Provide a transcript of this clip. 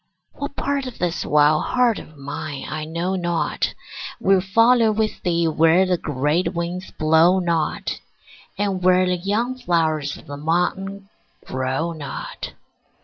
What part of this wild heart of mine I know not Will follow with thee where the great winds blow not, And where the young flowers of the mountain grow not.